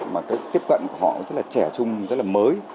mà cái tiếp cận của họ rất là trẻ trung rất là mới